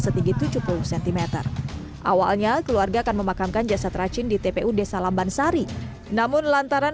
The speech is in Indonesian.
setinggi tujuh puluh cm awalnya keluarga akan memakamkan jasad racin di tpu desa lamban sari namun lantaran